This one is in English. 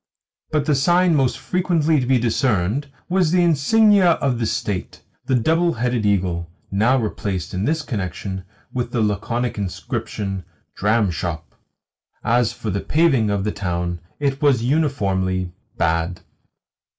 But the sign most frequently to be discerned was the insignia of the State, the double headed eagle (now replaced, in this connection, with the laconic inscription "Dramshop"). As for the paving of the town, it was uniformly bad.